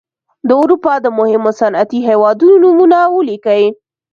د اروپا د مهمو صنعتي هېوادونو نومونه ولیکئ.